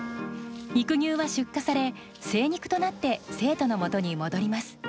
肉牛は出荷され精肉となって生徒のもとに戻ります。